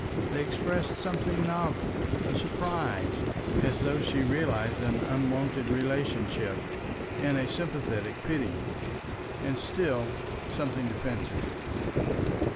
They expressed something novel—a surprise, as though she realized an unwonted relationship, and a sympathetic pity. And still—something defensive.